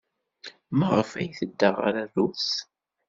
Maɣef ay tedda ɣer Rrus?